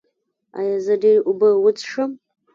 ایا زه ډیرې اوبه وڅښم؟